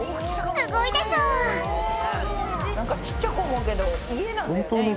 すごいでしょなんかちっちゃく思うけど家なんだよね